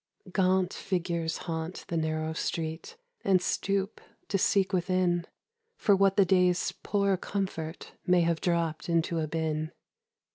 Gaunt figures haunt the narrow street And stoop to seek within For what the day's poor comfort May have dropped into a bin.